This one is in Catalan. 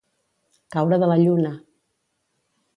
Caure de la lluna.